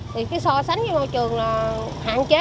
thì cái so sánh với môi trường là hạn chế